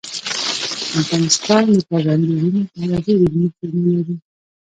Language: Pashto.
افغانستان د پابندي غرونو په اړه ډېرې علمي څېړنې لري.